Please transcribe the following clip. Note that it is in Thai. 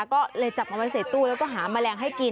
ก็เลยจับเอาไว้ใส่ตู้แล้วก็หาแมลงให้กิน